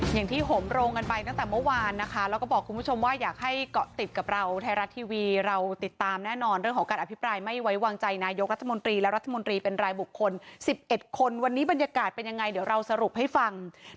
อย่างที่โหมโรงกันไปตั้งแต่เมื่อวานนะคะแล้วก็บอกคุณผู้ชมว่าอยากให้เกาะติดกับเราไทยรัฐทีวีเราติดตามแน่นอนเรื่องของการอภิปรายไม่ไว้วางใจนายกรัฐมนตรีและรัฐมนตรีเป็นรายบุคคล๑๑คนวันนี้บรรยากาศเป็นยังไงเดี๋ยวเราสรุปให้ฟัง